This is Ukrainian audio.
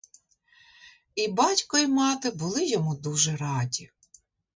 І батько й мати були йому дуже раді.